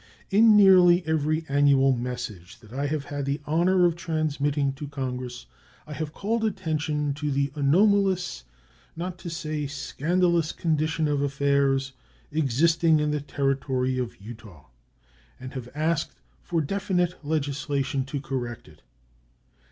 In nearly every annual message that I have had the honor of transmitting to Congress I have called attention to the anomalous, not to say scandalous, condition of affairs existing in the Territory of Utah, and have asked for definite legislation to correct it.